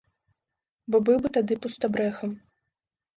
Бо быў бы тады пустабрэхам.